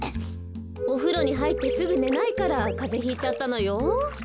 おふろにはいってすぐねないからカゼひいちゃったのよ。